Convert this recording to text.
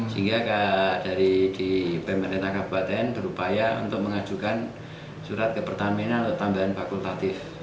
sehingga di pemerintah kabupaten berupaya untuk mengajukan surat ke pertamina untuk tambahan fakultatif